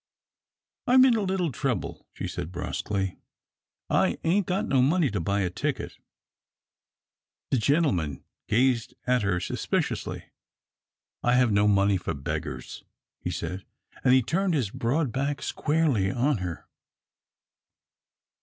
"I'm in a little trouble," she said, brusquely, "I ain't got money to buy a ticket." The gentleman gazed at her suspiciously. "I have no money for beggars," he said, and he turned his broad back squarely on her.